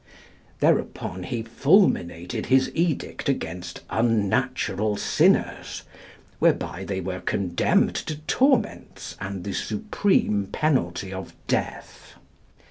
Thereupon he fulminated his edict against unnatural sinners, whereby they were condemned to torments and the supreme penalty of death.